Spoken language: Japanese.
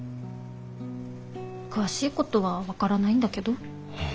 詳しいことは分からないんだけど。